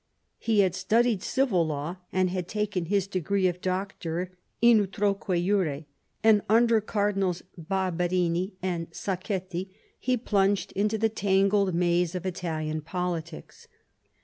He had studied civil law and had taken his degree of doctor in utroquejure^ and under Cardinals Barberini and Sachetti he plunged into the tangled maze of Italian politics.